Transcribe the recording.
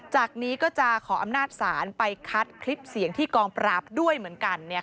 จากนี้ก็จะขออำนาจศาลไปคัดคลิปเสียงที่กองปราบด้วยเหมือนกัน